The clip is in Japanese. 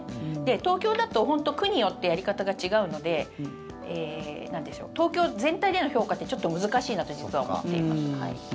東京だと、本当に区によってやり方が違うので東京全体での評価ってちょっと難しいなって実は思っています。